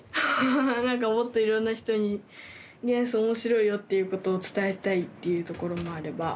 もっといろんな人に元素面白いよっていうことを伝えたいっていうところもあれば。